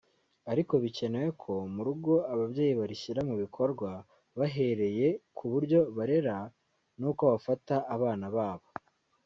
ariko bikenewe ko mu rugo ababyeyi barishyira mu bikorwa bahereye ku buryo barera n’uko bafata abana babo